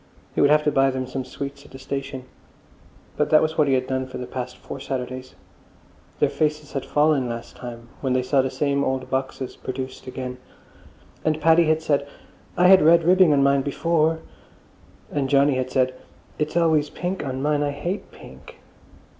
He would have to buy them some sweets at the station. But that was what he had done for the past four Saturdays; their faces had fallen last time when they saw the same old boxes produced again. And Paddy had said, "I had red ribbing on mine bee fore!" And Johnny had said, "It's always pink on mine. I hate pink."